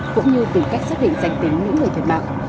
cũng như tìm cách xác định danh tính những người thiệt mạng